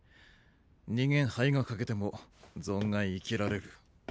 人間肺が欠けても存外生きられる。